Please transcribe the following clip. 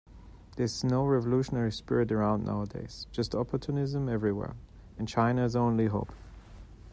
There's no revolutionary spirit around nowadays, just opportunism everywhere" and "China's our only hope.